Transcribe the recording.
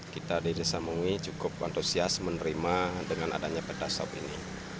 kita di desa mengui cukup antusias menerima dengan adanya pertasop ini